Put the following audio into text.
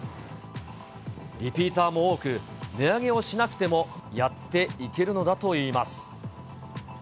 リピーターも多く、値上げをしなくても、やっていけるのだといいます。